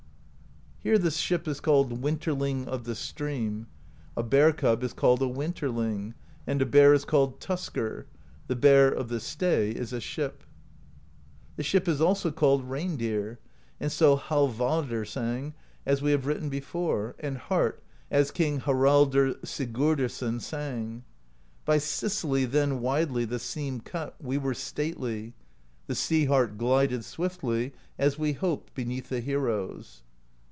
Here the ship is called Winterling of the Stream : a bear cub is called a Winterling; and a bear is called Tusker; the Bear of the Stay is a ship. The ship is also called Reindeer, and so Hallvardr sang, as we have written before; and Hart, as King Haraldr Sig urdarson sang: By Sicily then widely The Seam cut: we were stately; The Sea Hart glided swiftly As we hoped beneath the heroes.